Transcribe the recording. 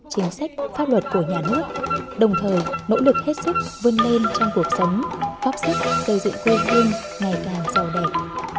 cách pháp luật của nhà nước đồng thời nỗ lực hết sức vươn lên trong cuộc sống phóc sức cây dựng quê thương ngày càng giàu đẹp